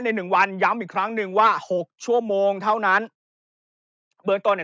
ใน๑วันย้ำอีกครั้งหนึ่งว่า๖ชั่วโมงเท่านั้นเบิ้สตรงแต่